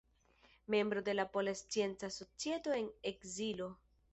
Membro de Pola Scienca Societo en Ekzilo.